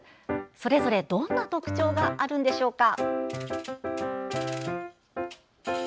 それぞれどんな特徴があるんでしょうか。